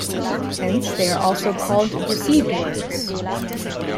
Hence they are also called received words.